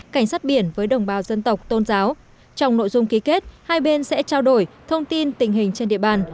cảnh sát biển với đồng bào dân tộc tôn giáo trong nội dung ký kết hai bên sẽ trao đổi thông tin tình hình trên địa bàn